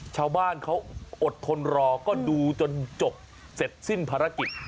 ชาวบ้านเขาอดทนรอก็ดูจนจบเสร็จสิ้นภารกิจ